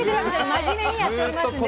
真面目にやっておりますね。